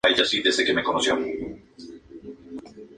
El órgano era originalmente de accionamiento neumático.